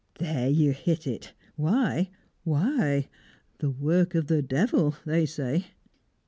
"There you hit it! Why why? The work of the Devil, they say."